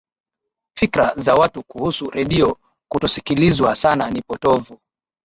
fikra za watu kuhusu redio kutosikilizwa sana ni potofu